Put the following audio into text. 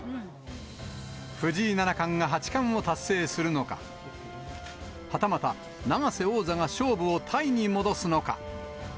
藤井七冠が八冠を達成するのか、はたまた永瀬王座が勝負をタイに戻すのか。